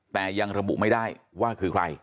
แต่ยังระบุไม่ได้ว่าคือใคร